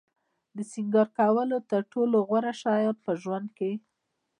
د سینگار کولو تر ټولو غوره شیان په ژوند کې.